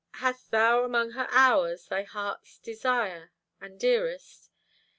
Hast thou among her hours thy heart's Desire and dearest?